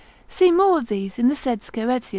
See more of these in the said Scheretz.